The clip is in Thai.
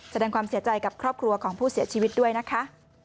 แสดงความเสียใจกับครอบครัวของผู้เสียชีวิตด้วยนะคะ